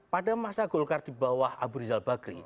pada masa golkar di bawah abu rizal bakri